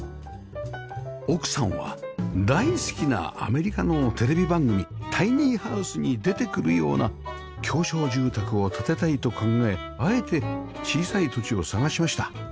奥さんは大好きなアメリカのテレビ番組『タイニーハウス』に出てくるような狭小住宅を建てたいと考えあえて小さい土地を探しました